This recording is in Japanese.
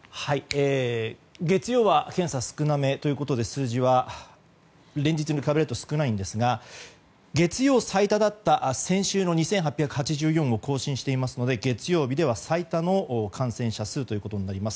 月曜は検査が少なめということで数字は連日に比べると少ないんですが月曜最多だった先週の２８８４を更新していますので月曜日では最多の感染者数となります。